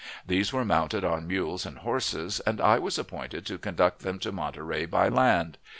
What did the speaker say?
These were mounted on mules and horses, and I was appointed to conduct them to Monterey by land.